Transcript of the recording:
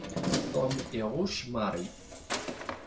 Tom iɣucc Mary.